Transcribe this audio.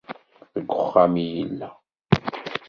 Deg uxxam i yella.